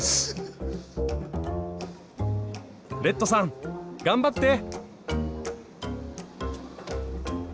レッドさん頑張って！